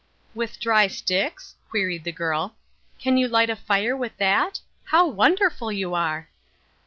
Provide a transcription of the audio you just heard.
"With dry sticks?" queried the girl. "Can you light a fire with that? How wonderful you are!"